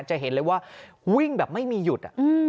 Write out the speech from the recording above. จะเห็นเลยว่าวิ่งแบบไม่มีหยุด